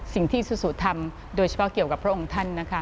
สิ่งที่อีซูซูทำโดยเฉพาะเกี่ยวกับพระองค์ท่าน